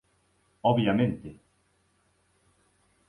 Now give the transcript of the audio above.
Obviamente.